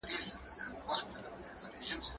ته ولي مېوې راټولې کوې،